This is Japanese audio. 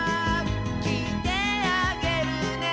「きいてあげるね」